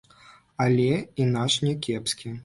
Але і наш някепскі.